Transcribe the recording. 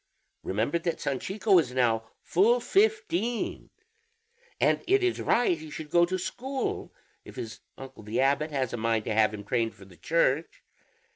Remember that Sanchico is now full fifteen, and it is right he should go to school, if his uncle the abbot has a mind to have him trained for the Church.